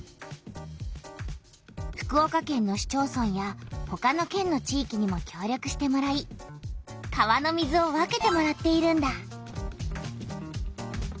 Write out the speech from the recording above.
福岡県の市町村やほかの県の地いきにもきょう力してもらい川の水を分けてもらっているんだ。